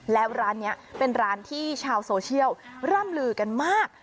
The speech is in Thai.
แล้วร้านนี้เป็นร้านที่ชาวโซเชียลร่ำลือกันมาก